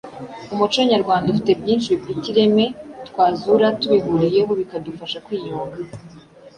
Umuco nyarwanda ufite byinshi bifite ireme twazura tubihuriyeho bikadufasha kwiyunga